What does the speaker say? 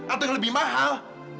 atau yang lebih mahal